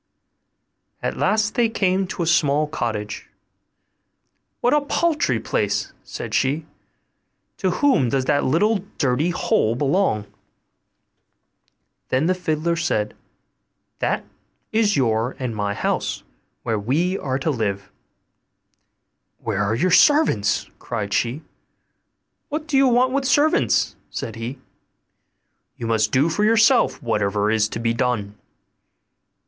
At last they came to a small cottage. 'What a paltry place!' said she; 'to whom does that little dirty hole belong?' Then the fiddler said, 'That is your and my house, where we are to live.' 'Where are your servants?' cried she. 'What do we want with servants?' said he; 'you must do for yourself whatever is to be done.